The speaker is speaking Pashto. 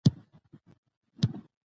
ژورې سرچینې د افغانستان طبعي ثروت دی.